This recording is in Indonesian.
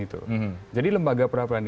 itu jadi lembaga peradilan